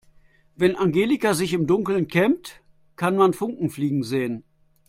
Wenn Angelika sich im Dunkeln kämmt, kann man Funken fliegen sehen.